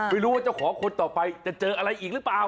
ไม่รู้ว่าเจ้าของคนต่อไปจะเจออะไรอีกหรือเปล่า